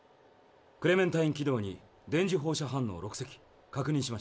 クレメンタイン軌道に電磁放射反応６隻確認しました。